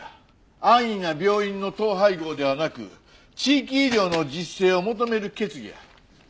安易な病院の統廃合ではなく地域医療の自主性を求める決議や。